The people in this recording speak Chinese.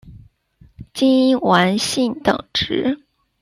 金丸信等职。